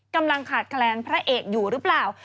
กำลังขาดแคลนพระเอกอยู่หรือเปล่า